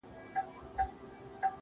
دا شی په گلونو کي راونغاړه.